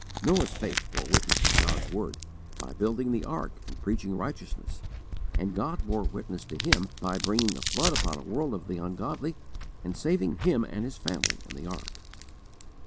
Noah's faith bore witness to God's word, by building the ark and preaching righteousness, and God bore witness to him by bringing a flood upon a world of the ungodly and saving him and his family in the ark.